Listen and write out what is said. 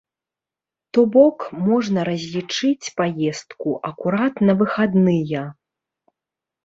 То бок, можна разлічыць паездку акурат на выхадныя.